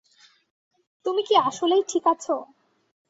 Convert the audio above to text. তুমি কি আসলেই ঠিক আছো?